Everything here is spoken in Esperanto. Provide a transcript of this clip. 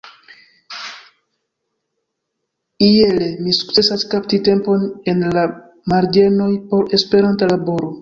Iele mi sukcesas kapti tempon en la marĝenoj por Esperanta laboro.